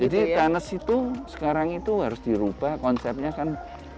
jadi tenis itu sekarang itu harus dirubah konsepnya kan